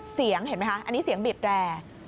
เสียงเห็นไหมคะอันนี้เสียงบิดแรร์